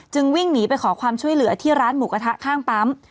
วิ่งหนีไปขอความช่วยเหลือที่ร้านหมูกระทะข้างปั๊ม